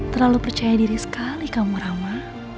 terlalu percaya diri sekali kamu rama